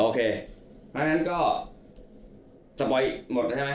โอเคดังนั้นก็สปอยหมดใช่ไหม